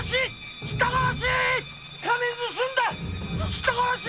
人殺し！